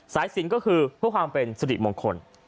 สายสินก็คือเพื่อความเป็นสิริมงคล